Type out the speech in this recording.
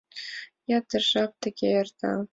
Ятыр жап тыге эрта.